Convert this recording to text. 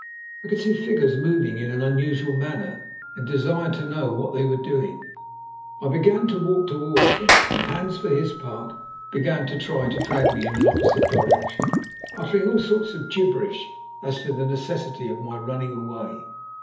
I could see figures moving in an unusual manner, and desired to know what they were doing. I began to walk towards them, and Hans, for his part, began to try to drag me in an opposite direction, uttering all sorts of gibberish as to the necessity of my running away.